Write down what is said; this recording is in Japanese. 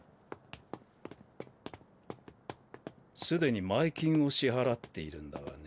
すでに前金を支払っているんだがね。